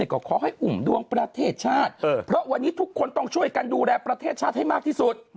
ก็ขอให้อุ่มดวงประเทศชาติเพราะวันนี้ทุกคนต้องช่วยกันดูแลประเทศชาติให้มากที่สุด